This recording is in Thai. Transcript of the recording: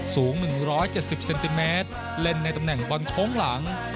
สูง๑๗๐เซนติเมตรเล่นในตำแหน่งบอลโค้งหลัง